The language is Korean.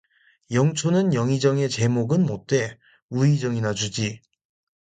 영초는 영의정의 재목은 못돼. 우의정이나 주지.